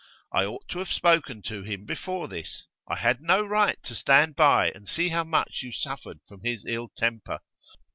I ought to have spoken to him before this; I had no right to stand by and see how much you suffered from his ill temper.